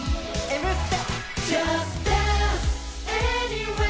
「Ｍステ」！